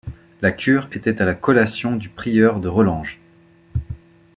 La cure était à la collation du prieur de Relanges.